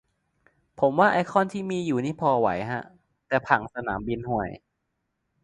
ผมว่าไอคอนที่มีอยู่นี่พอไหวฮะ แต่ผังสนามบินห่วย